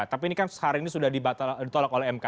tapi ini kan sehari ini sudah ditolak oleh mk